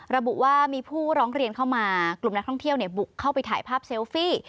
ระบุว่ามีผู้ร้องเรียนเข้ามากลุ่มนักท่องเที่ยวบุกเข้าไปถ่ายภาพเซลฟี่